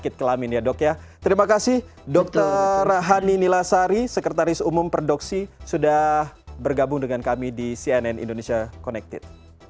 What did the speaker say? terima kasih dokter hani nilasari sekretaris umum perdoksi sudah bergabung dengan kami di cnn indonesia connected